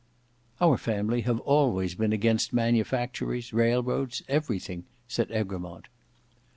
"Our family have always been against manufactories, railroads—everything," said Egremont.